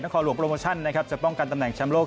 นักคอหลวงโปรโมชั่นจะป้องกันตำแหน่งแชมป์โลก